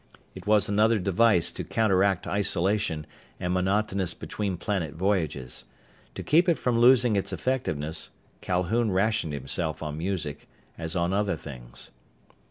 It was another device to counteract isolation and monotonous between planet voyages. To keep it from losing its effectiveness, Calhoun rationed himself on music, as on other things.